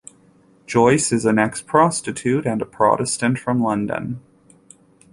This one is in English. Joyce is an ex-prostitute, and a Protestant from London.